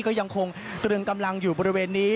ก็ยังคงตรึงกำลังอยู่บริเวณนี้